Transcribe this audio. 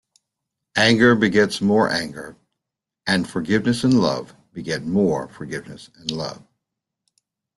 Anger begets more anger and forgiveness and love beget more forgiveness and love.